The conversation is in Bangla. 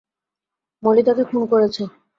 মলি তাকে খুন করেছে।